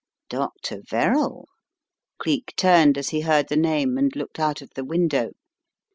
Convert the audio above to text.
Dr. Verrall! Cleek turned as he heard the name and looked out of the window.